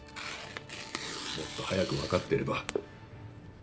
もっと早く分かっていれば。